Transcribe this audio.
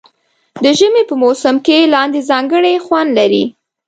د ژمي په موسم کې لاندی ځانګړی خوند لري.